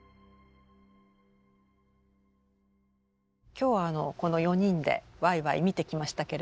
今日はこの４人でわいわい見てきましたけれども。